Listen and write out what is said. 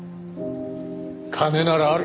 金ならある。